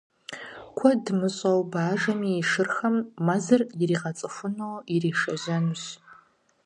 Куэд мыщӀэу бажэми и шырхэм мэзыр къаригъэцӏыхуну иришэжьэнущ.